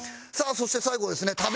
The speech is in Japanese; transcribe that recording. さあそして最後ですね。